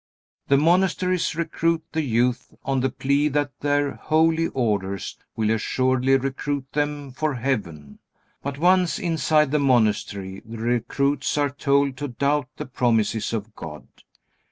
The monasteries recruit the youth on the plea that their "holy" orders will assuredly recruit them for heaven. But once inside the monastery the recruits are told to doubt the promises of God.